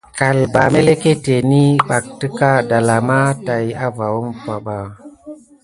Kalbà meleketeni mqkuta dala ma taki avonba demi ke dansikiles.